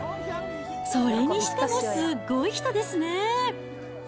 それにしてもすごい人ですね。